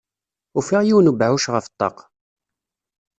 Ufiɣ yiwen n webɛuc ɣef ṭṭaq.